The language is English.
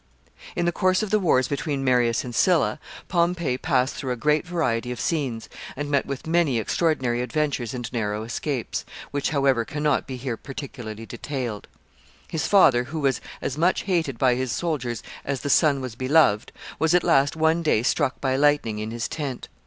] In the course of the wars between Marius and Sylla, Pompey passed through a great variety of scenes, and met with many extraordinary adventures and narrow escapes, which, however, can not be here particularly detailed. His father, who was as much hated by his soldiers as the son was beloved, was at last, one day, struck by lightning in his tent.